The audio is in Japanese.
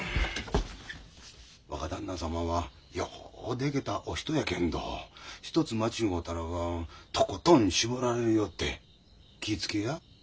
若旦那様はようできたお人やけんど一つ間違うたらばとことん絞られるよって気ぃ付けや。